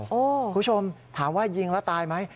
คุณผู้ชมถามว่ายิงแล้วตายไหม